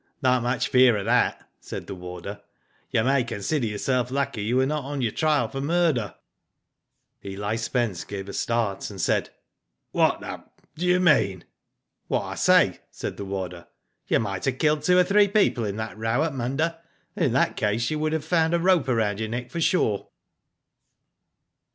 "Not much fear of that," said the warder. "You may consider yourself lucky you were not on your trial for murder." Eli Spence gave a start, and said :" What the do you mean ?" Digitized byGoogk STARTLING RESULTS, 251 What I say/* said the warder. "You might have killed two oj three people in that row at Munda, and in that case you would have found a rope round your neck for sure."